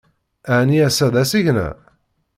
Ɛni ass-a d asigna?